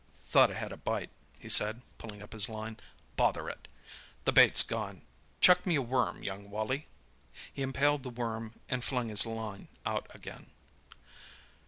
"Thought I had a bite," he said, pulling up his line. "Bother it! The bait's gone! Chuck me a worm, young Wally." He impaled the worm and flung his line out again.